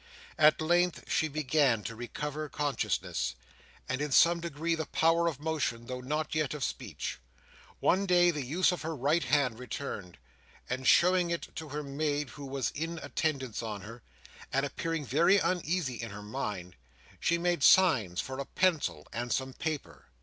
At length she began to recover consciousness, and in some degree the power of motion, though not yet of speech. One day the use of her right hand returned; and showing it to her maid who was in attendance on her, and appearing very uneasy in her mind, she made signs for a pencil and some paper.